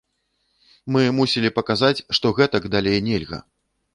Мы мусілі паказаць, што гэтак далей нельга.